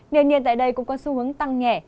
nền nhiệt tại đây cũng có xu hướng tăng nhẹ